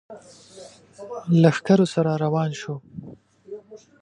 لښکرو سره روان شو.